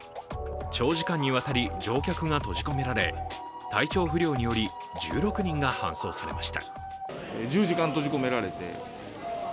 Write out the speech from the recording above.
長時間にわたり乗客が閉じ込められ、体調不良により１６人が搬送されました。